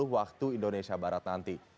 waktu indonesia barat nanti